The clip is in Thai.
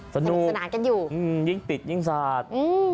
สนุกสนานกันอยู่ยิ่งติดยิ่งสาด